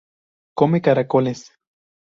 Come caracoles.